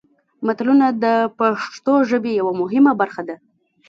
متلونه د پښتو ژبې یوه مهمه برخه ده